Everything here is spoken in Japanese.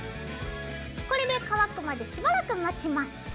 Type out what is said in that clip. これで乾くまでしばらく待ちます。